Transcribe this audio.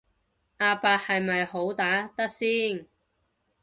阿伯係咪好打得先